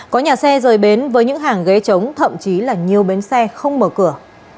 có nhà xe rời bến với những hàng ghế trống thậm chí là nhiều bến xe không mở cửa